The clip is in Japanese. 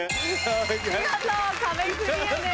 見事壁クリアです。